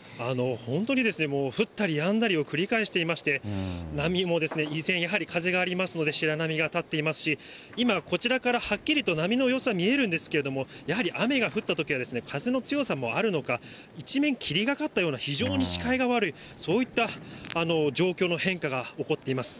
本当にもう降ったりやんだりを繰り返していまして、波も依然、風がありますので、白波が立っていますし、今、こちらからはっきりと波の様子は見えるんですけれども、やはり雨が降ったときは、風の強さもあるのか、一面霧がかったような、非常に視界が悪い、そういった状況の変化が起こっています。